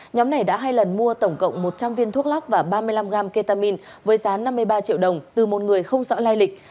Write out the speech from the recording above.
nhóm này đã hai lần mua tổng cộng một trăm linh viên thuốc lắc và ba mươi năm gram ketamine với giá năm mươi ba triệu đồng từ một người không rõ lai lịch